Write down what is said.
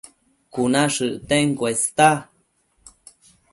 Cuna shëcten cuesta